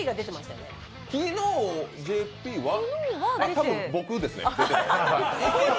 あっ、多分、僕ですね。